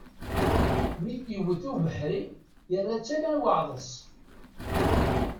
Mi t-yewwet ubeḥri, yerra-tt ala i uɛḍas.